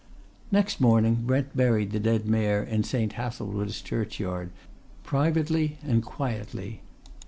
Next morning Brent buried the dead Mayor in St. Hathelswide's Churchyard, privately and quietly.